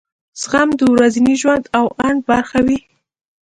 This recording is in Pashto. زغم د ورځني ژوند او اند برخه وي.